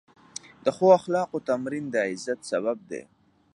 د ښو اخلاقو تمرین د عزت سبب دی.